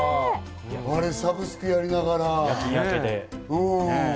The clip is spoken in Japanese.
サブスクやりながら。